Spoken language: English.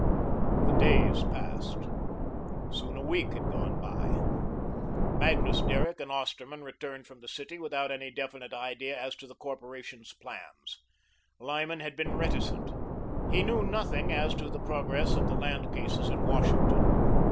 The days passed. Soon a week had gone by. Magnus Derrick and Osterman returned from the city without any definite idea as to the Corporation's plans. Lyman had been reticent. He knew nothing as to the progress of the land cases in Washington.